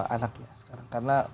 anaknya sekarang karena